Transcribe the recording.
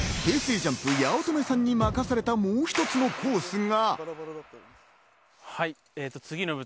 ＪＵＭＰ・八乙女さんに任されたもう一つのコースが。